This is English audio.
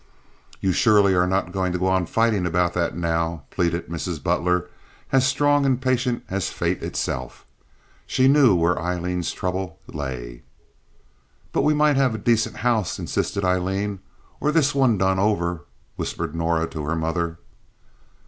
"You surely are not going to go on fighting about that now," pleaded Mrs. Butler, as strong and patient as fate itself. She knew where Aileen's trouble lay. "But we might have a decent house," insisted Aileen. "Or this one done over," whispered Norah to her mother.